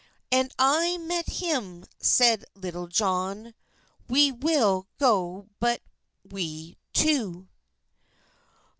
"And I mete hym," seid Litull Johne, "We will go but we too